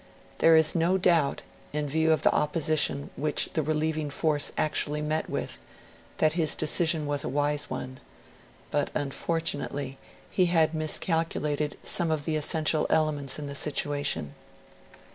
There is no doubt in view of the opposition which the relieving force actually met with that his decision was a wise one; but unfortunately, he had miscalculated some of the essential elements in the situation.